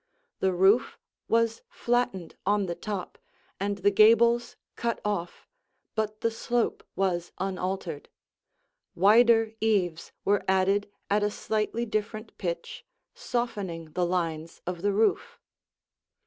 The roof was flattened on the top, and the gables cut off, but the slope was unaltered. Wider eaves were added at a slightly different pitch, softening the lines of the roof.